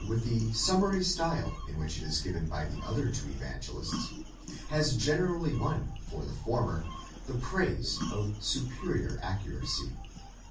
with the summary style in which it is given by the other two Evangelists, has generally won for the former the praise of superior accuracy.